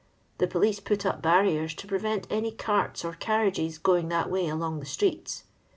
The police put up barriers to prerent any carts or carriages going that way along the sticets.